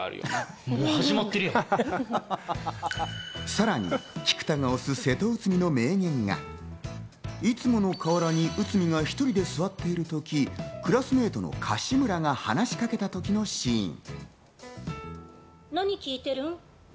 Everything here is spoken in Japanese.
さらに菊田が推す『セトウツミ』の名言がいつもの河原に内海が１人で座ってるとき、クラスメートの樫村が話しかけた時のシーン。